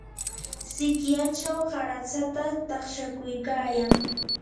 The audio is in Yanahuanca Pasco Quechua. sikyachaw qaratsata taqshakuykayan.